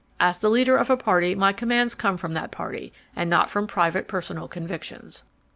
As the leader of a party my commands come from that party and not from private personal convictions.